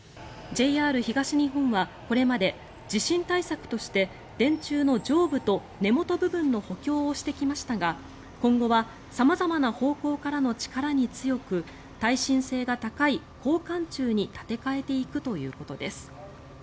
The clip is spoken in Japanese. ＪＲ東日本はこれまで地震対策として電柱の上部と根元部分の補強をしてきましたが今後は様々な方向からの力に強く耐震性が高い鋼管柱に建て替えていくということです。